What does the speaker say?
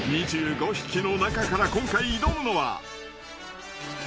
［２５匹の中から今回挑むのは］